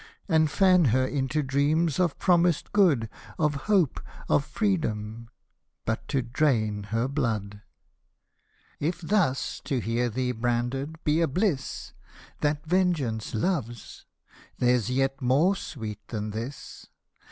And fan her into dreams of promised good. Of hope, of freedom — but to drain her blood ! If thus to hear thee branded be a bliss That Vengeance loves, there's yet more sweet than this.